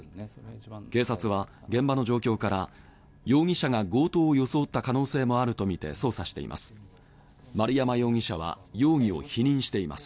警察は現場の状況から容疑者が強盗を装った可能性もあるとみて捜査しています。